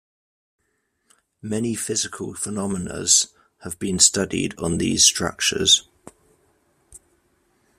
Many physical phenomenas have been studied on these structures.